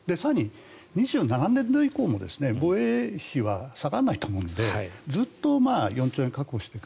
更に２７年度以降も防衛費は下がらないと思うのでずっと４兆円を確保していく。